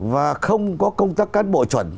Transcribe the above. và không có công tác cán bộ chuẩn